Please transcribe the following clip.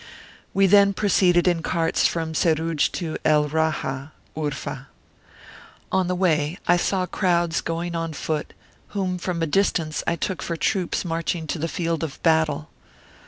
We then proceeded in carts from Seruj to El Raha (Urfa). On the way I saw crowds going on foot, whom from a distance I took for troops marching to the field of battle.